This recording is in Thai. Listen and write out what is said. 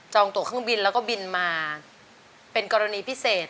ตัวเครื่องบินแล้วก็บินมาเป็นกรณีพิเศษ